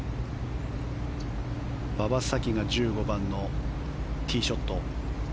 馬場咲希の１５番、ティーショット。